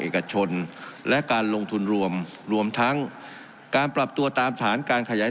เอกชนและการลงทุนรวมรวมทั้งการปรับตัวตามฐานการขยาย